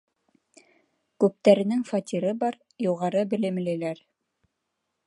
Күптәренең фатиры бар, юғары белемлеләр.